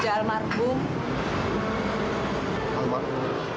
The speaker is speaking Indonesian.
terima kasih pak